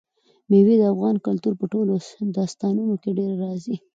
مېوې د افغان کلتور په ټولو داستانونو کې ډېره راځي.